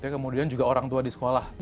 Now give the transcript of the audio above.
kemudian juga orang tua di sekolah